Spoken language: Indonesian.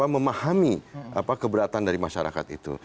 memahami keberatan dari masyarakat itu